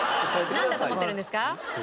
なんだと思ってるんですか？